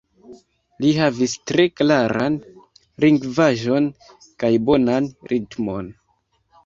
Li havis tre klaran lingvaĵon kaj bonan ritmon.